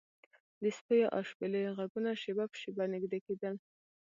د سپیو او شپېلیو غږونه شیبه په شیبه نږدې کیدل